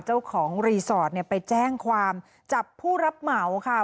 เจ้าของรีสอร์ทเนี่ยไปแจ้งความจับผู้รับเหมาค่ะ